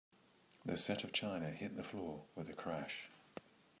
The set of china hit the floor with a crash.